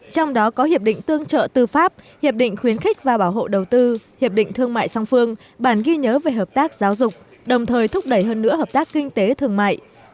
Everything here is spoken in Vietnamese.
trong đó có hiệp định tương trợ tư pháp hiệp định khuyến khích và bảo hộ đầu tư hiệp định thương mại song phương bản ghi nhớ về hợp tác giáo dục đồng thời thúc đẩy hơn nữa hợp tác kinh tế thương mại